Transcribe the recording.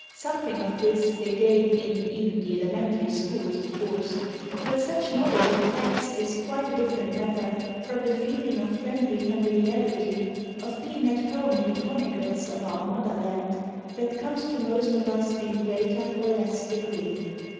Something of this they gain in even the elementary schools, of course; but such knowledge of facts is quite a different matter from the feeling of friendly familiarity, of being at home in the chronicles of our mother land, that comes to most of us in greater or less degree.